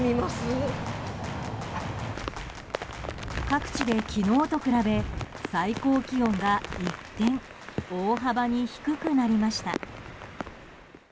各地で昨日と比べ最高気温が一転大幅に低くなりました。